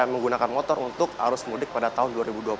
menggunakan motor untuk arus mudik pada tahun dua ribu dua puluh satu